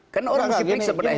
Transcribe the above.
kan orang sikpik sebenarnya